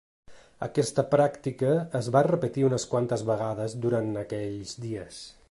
Aquesta pràctica es va repetir unes quantes vegades durant aquells dies.